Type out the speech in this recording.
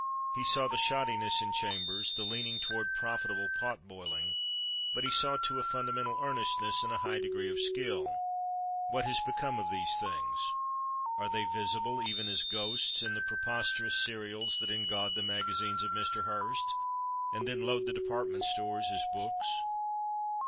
He saw the shoddiness in Chambers, the leaning toward "profitable pot boiling," but he saw, too, a fundamental earnestness and a high degree of skill. What has become of these things? Are they visible, even as ghosts, in the preposterous serials that engaud the magazines of Mr. Hearst, and then load the department stores as books?